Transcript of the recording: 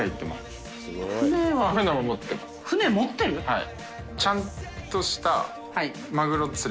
はい。